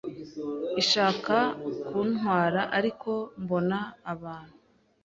ishaka kuntwara ariko mbona abantu